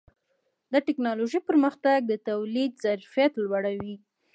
د ټکنالوجۍ پرمختګ د تولید ظرفیت لوړوي.